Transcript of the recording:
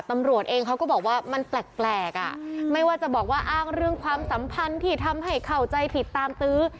ตำรวจเองเขาก็บอกว่ามันแปลกอ่ะไม่ว่าจะบอกว่าอ้างเรื่องความสัมพันธ์ที่ทำให้เข้าใจผิดตามตื้อ